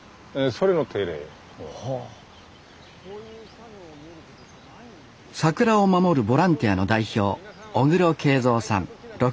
桜を守るボランティアの代表